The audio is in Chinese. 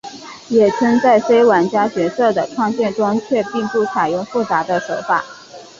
野村在非玩家角色的创建中却并不采用复杂的手法。